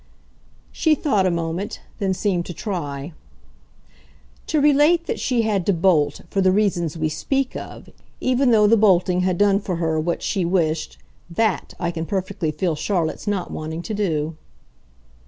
She thought a moment then seemed to try. "To relate that she had to 'bolt' for the reasons we speak of, even though the bolting had done for her what she wished THAT I can perfectly feel Charlotte's not wanting to do."